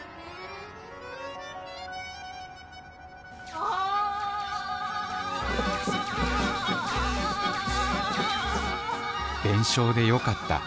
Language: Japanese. あ弁償でよかった。